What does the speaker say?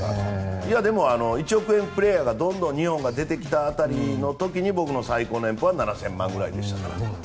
でも、１億円プレーヤーが日本でどんどん出てきた辺りに僕の最高年俸は７０００万円くらいでしたから。